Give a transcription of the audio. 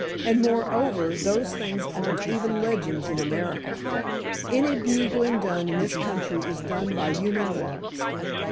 And, moreover, those things aren't even legends in America. Any bugling done in this country is done by human lungs.